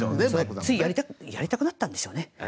ついやりたくなったんでしょうね。